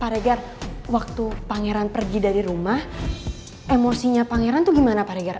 pak regar waktu pangeran pergi dari rumah emosinya pangeran itu gimana pak regar